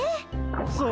そう。